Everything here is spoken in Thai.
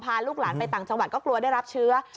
ลูกหลานไปต่างจังหวัดก็กลัวได้รับเชื้อ